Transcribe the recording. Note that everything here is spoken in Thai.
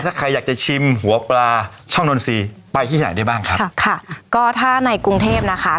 ถ้าใครอยากจะชิมหัวปลาช่องนนทรีย์ไปที่ไหนได้บ้างครับค่ะก็ถ้าในกรุงเทพนะคะ